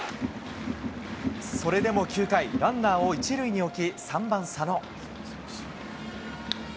それでも９回、ランナーを１塁に置き、３番佐野。